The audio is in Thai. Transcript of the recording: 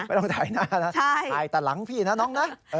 ไม่ต้องถ่ายหน้านะถ่ายแต่หลังพี่นะน้องนะ